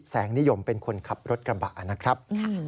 นิยมเป็นคนขับรถกระบะนะครับ